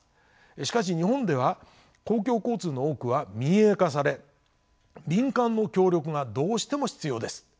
しかし日本では公共交通の多くは民営化され民間の協力がどうしても必要です。